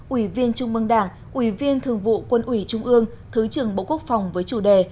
ủy viên trung mương đảng ủy viên thường vụ quân ủy trung ương thứ trưởng bộ quốc phòng với chủ đề